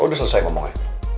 tuh udah selesai ngomongnya